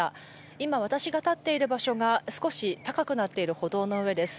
今、私が立っている場所が少し高くなっている歩道の上です。